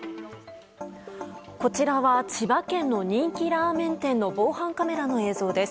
こちら千葉県の人気ラーメン店防犯カメラの映像です。